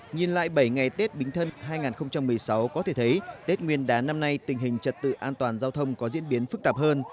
nhìn lại bảy ngày tết bính thân hai nghìn một mươi sáu có thể thấy tết nguyên đán năm nay tình hình trật tự an toàn giao thông có diễn biến phức tạp hơn